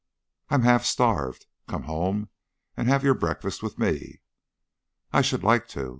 "I am half starved. Come home and have your breakfast with me." "I should like to.